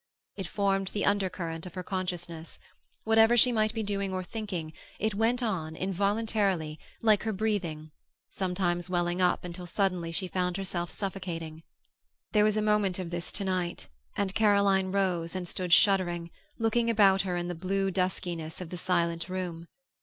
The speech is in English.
It formed the undercurrent of her consciousness; whatever she might be doing or thinking, it went on, involuntarily, like her breathing, sometimes welling up until suddenly she found herself suffocating. There was a moment of this tonight, and Caroline rose and stood shuddering, looking about her in the blue duskiness of the silent room.